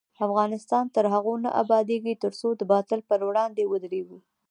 افغانستان تر هغو نه ابادیږي، ترڅو د باطل پر وړاندې ودریږو.